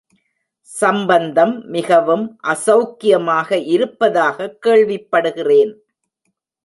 சம்பந்தம் மிகவும் அசௌக்கியமாக இருப்பதாகக் கேள்விப்படுகிறேன்.